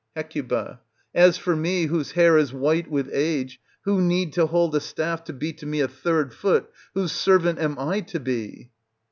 Hec. As for me whose hair is white with age, who need to hold a staff to be to me a third foot, whose servant am ! to be?